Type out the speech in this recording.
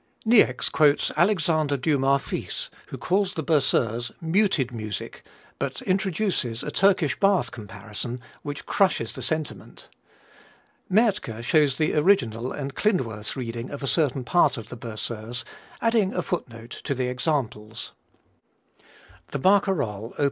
Niecks quotes Alexandre Dumas fils, who calls the Berceuse "muted music," but introduces a Turkish bath comparison, which crushes the sentiment. Mertke shows the original and Klindworth's reading of a certain part of the Berceuse, adding a footnote to the examples: [Two musical score excerpts from Op.